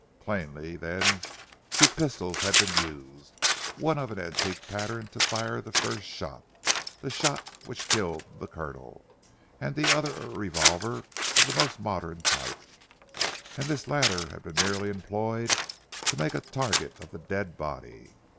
Plainly then two pistols had been used. One of an antique pattern to fire the first shot the shot which killed the Colonel: and the other a revolver of the most modern type. And this latter had been merely employed to make a target of the dead body.